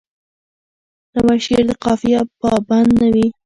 نوی شعر د قافیه پابند نه وي.